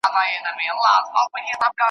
د حبیبي او د رشاد او بېنوا کلی دی .